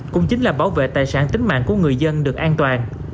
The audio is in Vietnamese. cũng chính là bảo vệ tài sản tính mạng của người dân được an toàn